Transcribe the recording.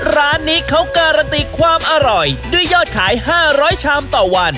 ร้านนี้เขาการันตีความอร่อยด้วยยอดขาย๕๐๐ชามต่อวัน